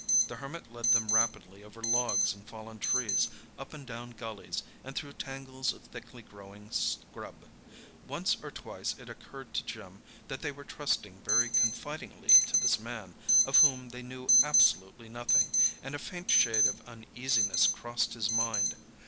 The Hermit led them rapidly over logs and fallen trees, up and down gullies, and through tangles of thickly growing scrub. Once or twice it occurred to Jim that they were trusting very confidingly to this man, of whom they knew absolutely nothing; and a faint shade of uneasiness crossed his mind.